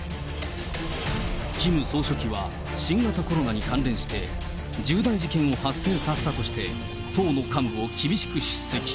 キム総書記は新型コロナに関連して、重大事件を発生させたとして、党の幹部を厳しく叱責。